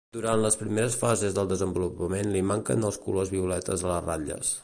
Durant les primeres fases del desenvolupament li manquen els colors violetes a les ratlles.